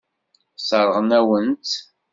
Sseṛɣen-awen-tt.